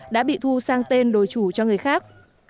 đã bị thu sang tên đổi chủ cho người khác